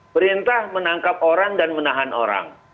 perintah menangkap orang dan menahan orang